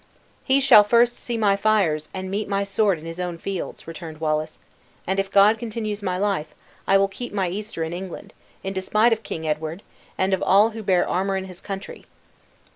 "He shall first see my fires, and meet my sword in his own fields," returned Wallace; "and if God continues my life, I will keep my Easter in England, in despite of King Edward, and of all who bear armor in his country!"